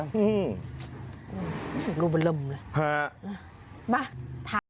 นี่ก็มันร่มละมาถาม